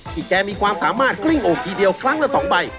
แกมีความสามารถกลิ้งอกทีเดียวครั้งละ๒ใบ